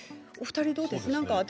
お二人、どうですか？